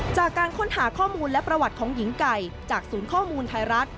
จากการค้นหาข้อมูลและประวัติของหญิงไก่จากศูนย์ข้อมูลไทยรัฐ